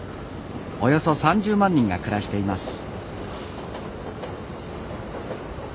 およそ３０万人が暮らしています。